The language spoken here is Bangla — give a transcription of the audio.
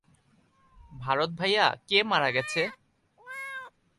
ভারত ভাইয়া, কে মারা গেছে?